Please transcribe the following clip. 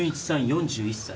４１歳。